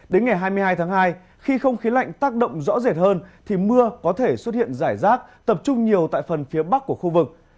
đến ngày hai mươi hai tháng hai khi không khí lạnh tác động rõ rệt hơn thì mưa có thể xuất hiện rải rác tập trung nhiều tại phần phía bắc của khu vực